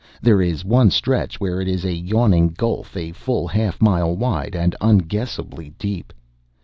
There is one stretch where it is a yawning gulf a full half mile wide and unguessably deep.